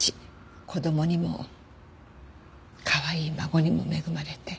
子供にもかわいい孫にも恵まれて。